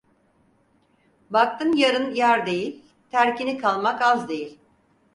Baktın yarın yar değil, terkini kalmak az değil.